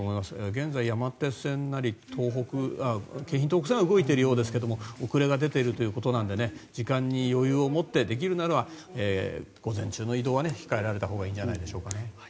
現在、山手線なり京浜東北線は動いているようですが遅れが出ているということなので時間に余裕を持ってできるならば午前中の移動は控えられたほうがいいんじゃないでしょうかね。